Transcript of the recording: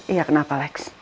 iya kenapa lex